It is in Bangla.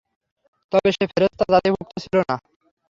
তবে সে ফেরেশতা জাতিভুক্ত ছিল না।